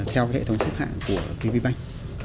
hệ thống xếp hạng của kb bank